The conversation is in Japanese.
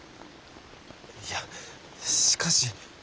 いやしかし。